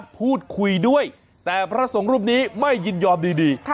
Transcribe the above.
พูดคุยด้วยแต่พระสงฆ์รูปนี้ไม่ยินยอมดี